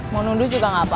mau nuduh juga nggak bisa